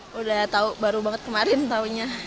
sudah tahu baru banget kemarin taunya